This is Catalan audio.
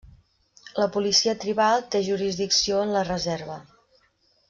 La policia tribal té jurisdicció en la reserva.